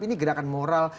ini gerakan moral